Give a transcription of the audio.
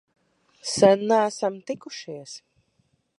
Sen neesam tikušies!